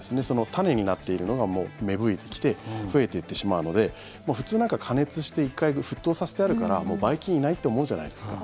種になっているのが芽吹いてきて増えていってしまうので普通、加熱して１回、沸騰させてあるからもう、ばい菌いないって思うじゃないですか。